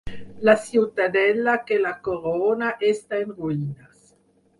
La ciutadella que la corona està en ruïnes.